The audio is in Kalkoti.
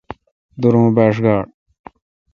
دور اوں با ݭ گاڑ۔